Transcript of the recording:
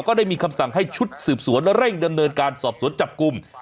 ได้มีคำสั่งให้ชุดสืบสวนเร่งดำเนินการสอบสวนจับกลุ่ม